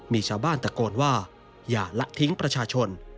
มีชาวบ้านตะโกนว่าอย่าละทิ้งประชาชน